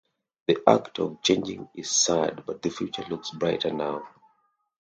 The act of changing is sad but the future looks brighter now.